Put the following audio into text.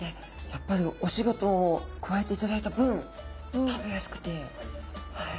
やっぱりお仕事を加えていただいた分食べやすくてはい。